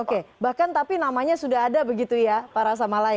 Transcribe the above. oke bahkan namanya sudah ada begitu ya para samalah ya